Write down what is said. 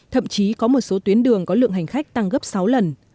thậm chí có một số tuyến đường có lượng hành khách tăng gấp sáu lần